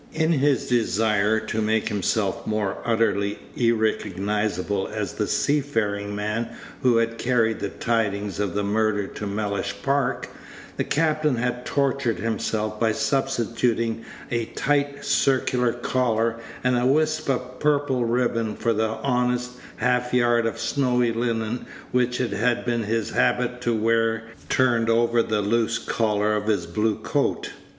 In his desire to make himself utterly irrecognizable as the seafaring man who had carried the tidings of the murder to Mellish Park, the captain had tortured himself by substituting a tight circular collar and a wisp of purple ribbon for the honest half yard of snowy linen which it had been his habit to wear turned over the loose collar of his blue coat.